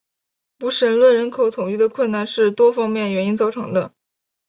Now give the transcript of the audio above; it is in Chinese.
无神论人口统计的困难是多方面原因造成的。